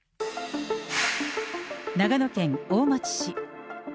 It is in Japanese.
長野県大町市。